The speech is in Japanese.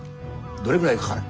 どれぐらいかかる？